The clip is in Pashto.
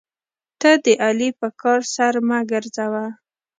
ته د علي په کار سر مه ګرځوه.